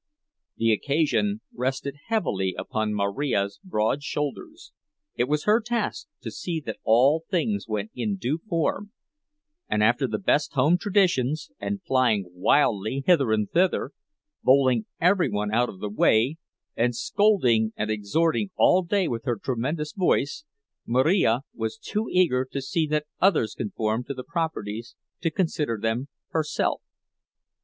The occasion rested heavily upon Marija's broad shoulders—it was her task to see that all things went in due form, and after the best home traditions; and, flying wildly hither and thither, bowling every one out of the way, and scolding and exhorting all day with her tremendous voice, Marija was too eager to see that others conformed to the proprieties to consider them herself.